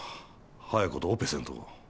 早い事オペせんと。